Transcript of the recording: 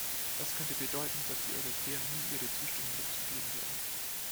Das könnte bedeuten, dass die Europäer nie ihre Zustimmung dazu geben werden.